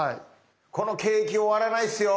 この景気終わらないっすよ。